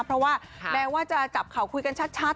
เพราะว่าแม้ว่าจะจับเข่าคุยกันชัด